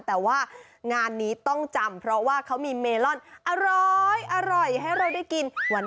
แต่ว่างานนี้ต้องจำเพราะว่าเขามีเมลอนอร้อยให้เราได้กิน